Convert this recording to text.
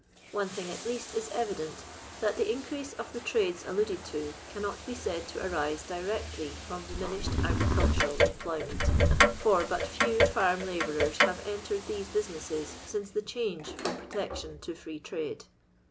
One thing at least is evident, that the increase of the trades alluded to cannot be said to arise directly from diminished agricultural employment, for but few farm labourers have entered these businesses since the change from Protection to Free Trade.